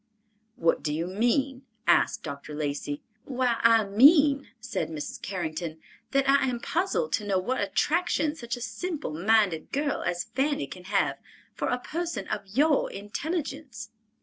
"What do you mean?" asked Dr. Lacey. "Why, I mean," said Mrs. Carrington, "that I am puzzled to know what attraction such a simple minded girl as Fanny can have for a person of your intelligence."